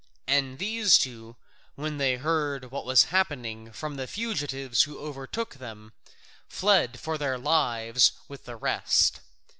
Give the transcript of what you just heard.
And these two, when they heard what was happening from the fugitives who overtook them, fled for their lives with the rest.